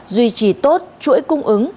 duy trì tốt chuỗi cung ứng